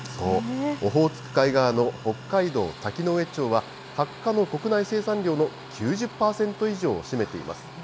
そう、オホーツク海側の北海道滝上町は、ハッカの国内生産量の９０％以上を占めています。